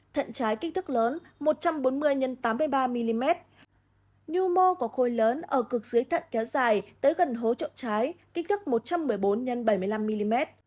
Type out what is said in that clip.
thận trái kích thước lớn một trăm bốn mươi x tám mươi ba mm nhu mô của khối lớn ở cực dưới thận kéo dài tới gần hố trội trái kích thước một trăm một mươi bốn x bảy mươi năm mm